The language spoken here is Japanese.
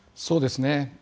そうですね。